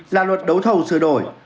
là luật đấu thầu sửa đổi